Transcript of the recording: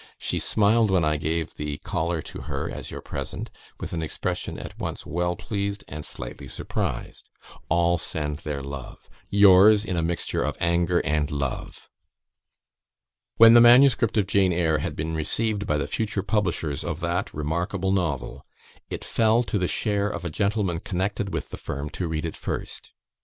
She smiled when I gave the collar to her as your present, with an expression at once well pleased and slightly surprised. All send their love. Yours, in a mixture of anger and love." When the manuscript of "Jane Eyre" had been received by the future publishers of that remarkable novel, it fell to the share of a gentleman connected with the firm to read it first.